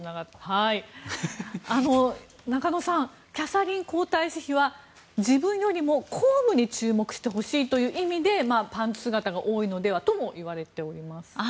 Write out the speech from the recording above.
中野さんキャサリン皇太子妃は自分よりも公務に注目してほしいという意味でパンツ姿が多いのではとも思われています。